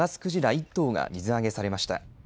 １頭が水揚げされました。